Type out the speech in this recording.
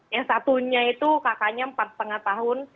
yang satunya itu kakaknya empat lima tahun